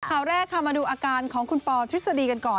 ข่าวแรกค่ะมาดูอาการของคุณปอทฤษฎีกันก่อน